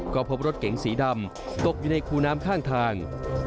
ก็พบรถเก๋งสีดำตกอยู่ในคูน้ำข้างทาง